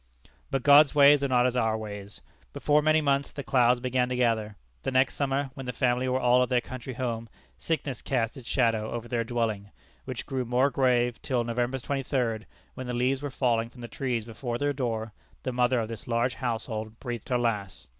But God's ways are not as our ways. Before many months the clouds began to gather. The next summer, when the family were all at their country home, sickness cast its shadow over their dwelling, which grew more grave till November 23d, when the leaves were falling from the trees before their door, the mother of this large household breathed her last.